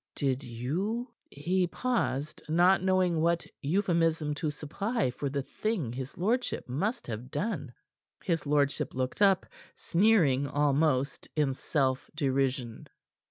"Did you ?" He paused, not knowing what euphemism to supply for the thing his lordship must have done. His lordship looked up, sneering almost in self derision.